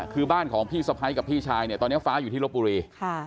คือบ้านของพี่สะพ้ายกับพี่ชายเนี่ยตอนนี้ฟ้าอยู่ที่ลบบุรี